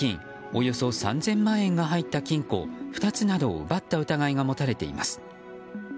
およそ３０００万円が入った金庫２つなどを奪った疑いが持たれています。